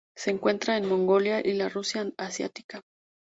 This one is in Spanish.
Se encuentra en Mongolia y la Rusia asiática.